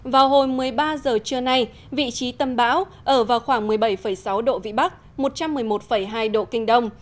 vào hồi một mươi ba h trưa nay vị trí tâm bão ở vào khoảng một mươi bảy sáu độ vĩ bắc một trăm một mươi một hai độ kinh đông